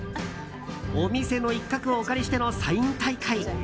お店の一角をお借りしてのサイン大会。